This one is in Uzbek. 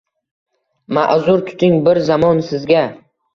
Maʼzur tuting, bir zamon sizga